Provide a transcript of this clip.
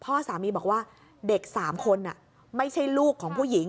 พ่อสามีบอกว่าเด็ก๓คนไม่ใช่ลูกของผู้หญิง